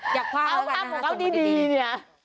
เอาความบอกเขาดีเนี่ย